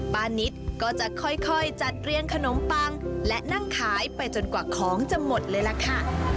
นิดก็จะค่อยจัดเรียงขนมปังและนั่งขายไปจนกว่าของจะหมดเลยล่ะค่ะ